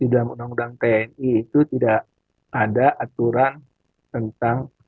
di dalam undang undang tni itu tidak ada aturan tentang